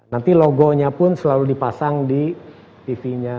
nanti logonya pun selalu dipasang di tv nya